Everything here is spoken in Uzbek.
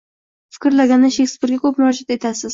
— Fikrlaganda Shekspirga ko‘p murojaat etasiz